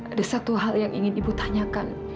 ada satu hal yang ingin ibu tanyakan